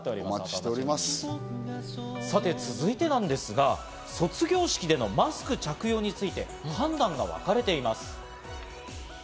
さて、続いてなんですが、卒業式でのマスク着用について判断がわかれています。